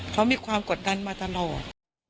เขามีความกดดันมาตลอด